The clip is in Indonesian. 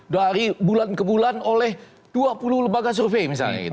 dari bulan ke bulan oleh dua puluh lembaga survei misalnya gitu